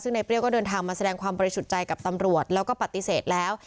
ซึ่งในเปรี้ยวก็เดินทางมาแสดงความบริสุทธิ์ใจกับตำรวจแล้วก็ปฏิเสธแล้ว